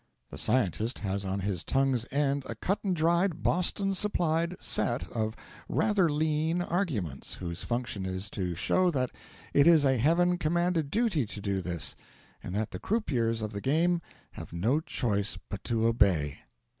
The Scientist has on his tongue's end a cut and dried, Boston supplied set of rather lean arguments whose function is to show that it is a Heaven commanded duty to do this, and that the croupiers of the game have no choice by to obey.